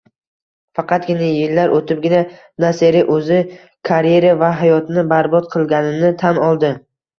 Faqatgina yillar o‘tibgina Naseri o‘zi karyera va hayotini barbod qilganini tan oldi